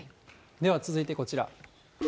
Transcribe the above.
では続いてこちら。